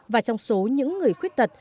và trong số những người khuyết tật